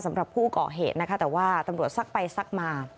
สำหรับผู้ก่อเหตุนะคะแต่ว่าตำรวจซักไปซักมา